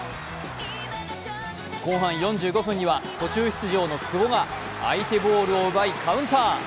後半４５分には途中出場の久保が相手ボールを奪いカウンター。